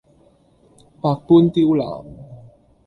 百般刁難